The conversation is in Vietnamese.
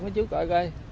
mấy chú coi coi